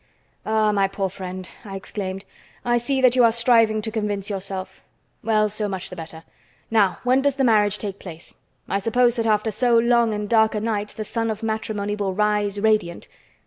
"Ah, my poor friend," I exclaimed, "I see that you are striving to convince yourself. Well, so much the better. Now, when does the marriage take place? I suppose that after so long and dark a night the sun of matrimony will rise radiant."